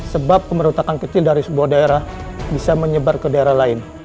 sebab pemberotakan kecil dari sebuah daerah bisa menyebar ke daerah lain